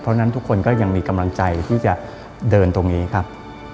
เพราะฉะนั้นทุกคนก็ยังมีกำลังใจที่จะเดินตรงนี้ครับ